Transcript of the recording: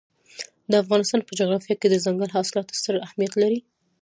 د افغانستان په جغرافیه کې دځنګل حاصلات ستر اهمیت لري.